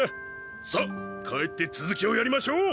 さあ帰って続きをやりましょう！